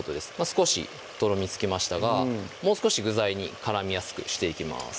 少しとろみつきましたがもう少し具材に絡みやすくしていきます